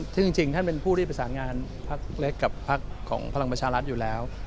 ซึ่งจริงท่านเป็นผู้ที่ประสานงานพักเล็กกับพักของพลังประชารัฐอยู่แล้ว